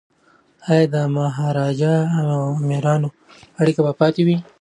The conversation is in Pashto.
ایا د مهاراجا او امیرانو اړیکي به پاتې وي؟